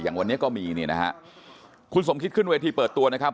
อย่างวันนี้ก็มีเนี่ยนะฮะคุณสมคิดขึ้นเวทีเปิดตัวนะครับ